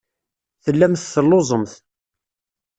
Tellamt telluẓemt.